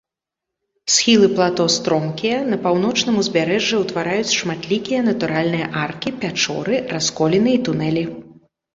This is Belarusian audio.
Схілы плато стромкія, на паўночным узбярэжжы ўтвараюць шматлікія натуральныя аркі, пячоры, расколіны і тунэлі.